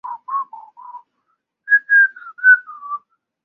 周期性是指在过程的行为中引发周期性模式。